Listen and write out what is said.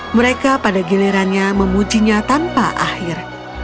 mereka pada gilirannya memujinya tanpa akhir